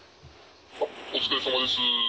お疲れさまです。